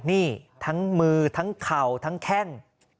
นี่ทั้งมือทั้งเข่าทั้งแข้ง